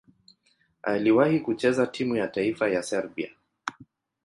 Aliwahi kucheza timu ya taifa ya Serbia.